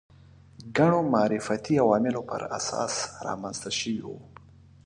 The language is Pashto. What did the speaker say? ګڼو معرفتي عواملو پر اساس رامنځته شوي وو